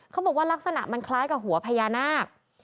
เขาบอกว่ารักษณะมันคล้ายกับหัวพญานาค